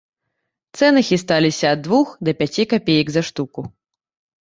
Цэны хісталіся ад двух да пяці капеек за штуку.